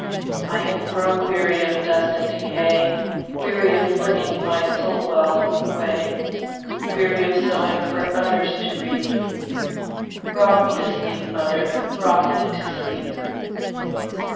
I have grown weary of dust and decay,—Weary of flinging my soul wealth away; Weary of sowing for others to reap;—Rock me to sleep, mother,—rock me to sleep!